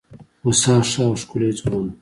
هوسا ښه او ښکلی ځوان وو.